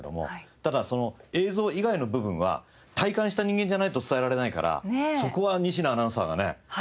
ただその映像以外の部分は体感した人間じゃないと伝えられないからそこは仁科アナウンサーがね